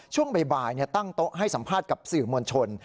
ช่วงบ่ายตั้งโต๊ะให้สัมภาษณ์กับสื่อมวลชน